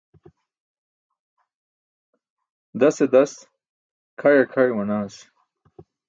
Dase das kʰaẏe kʰaẏ manaas.